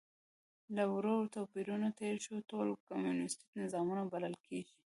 که له وړو توپیرونو تېر شو، ټول کمونیستي نظامونه بلل کېږي.